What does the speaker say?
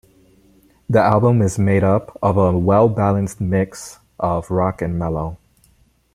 The album is made up of a well-balanced mix of rock and mellow.